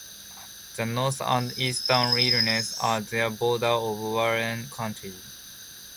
The north and east town lines are the border of Warren County.